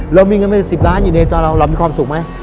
เรามีเงินเป็น๑๐ล้านอยู่ในตัวเราเรามีความสุขไหม